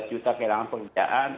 dua belas juta kehilangan pekerjaan